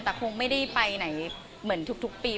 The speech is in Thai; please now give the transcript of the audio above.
แต่คงไม่ได้ไปไหนเหมือนทุกปี